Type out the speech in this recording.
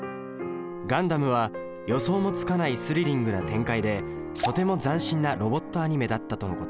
ガンダムは予想もつかないスリリングな展開でとても斬新なロボットアニメだったとのこと。